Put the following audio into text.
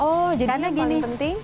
oh jadi anda yang paling penting